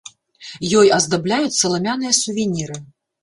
Ёй аздабляюць саламяныя сувеніры.